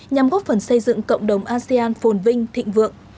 nhằm góp phần xây dựng cộng đồng asean phồn vinh thịnh vượng